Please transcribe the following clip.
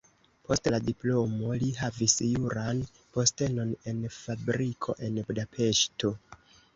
Post la diplomo li havis juran postenon en fabriko en Budapeŝto.